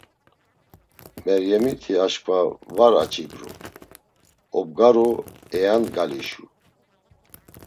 Meryemiti aşǩva var aç̌ibru. Obgaru eangalişu.